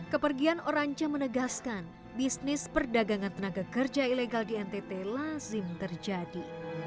kepergian oranca menegaskan bisnis perdagangan tenaga kerja ilegal di ntt lazim terjadi